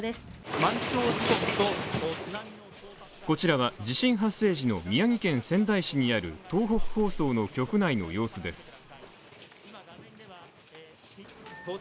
こちらは、地震発生時の宮城県仙台市にある東北放送の局内の様子です。